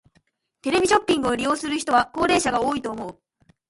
テレビショッピングを利用する人は高齢者が多いと思う。